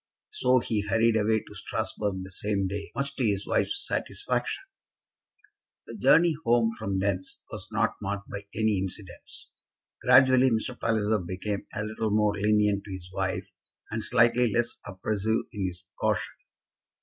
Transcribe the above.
So he hurried away to Strasbourg the same day, much to his wife's satisfaction. The journey home from thence was not marked by any incidents. Gradually Mr. Palliser became a little more lenient to his wife and slightly less oppressive in his caution.